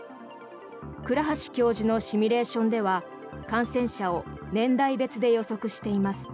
倉橋教授のシミュレーションでは感染者を年代別で予測しています。